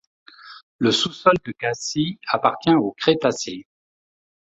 Le sous-sol de Cassis appartient au Crétacé.